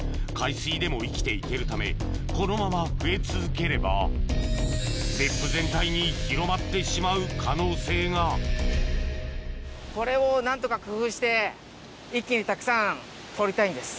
水でも生きて行けるためこのまま増え続ければ別府全体に広まってしまう可能性がこれを何とか工夫して一気にたくさん取りたいんです。